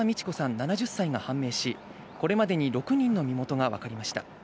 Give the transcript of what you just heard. ７０歳が判明し、これまでに６人の身元がわかりました。